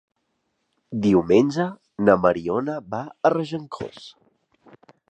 Diumenge na Mariona va a Regencós.